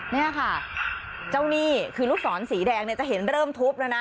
นี่ค่ะเจ้านี่คือลูกศรสีแดงเนี่ยจะเห็นเริ่มทุบแล้วนะ